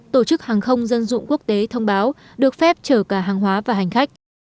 tổ chức hàng không dân dụng quốc tế thông báo được phép chở cả hàng hóa và hành khách